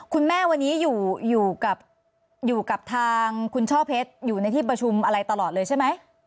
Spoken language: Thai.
คุณแม่วันนี้อยู่กับทางคุณช่อเพชรอยู่ในที่ประชุมอะไรตลอดเลยใช่ไหม